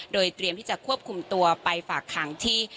โดยเตรียมที่จะควบคุมตัวไปฝากขังที่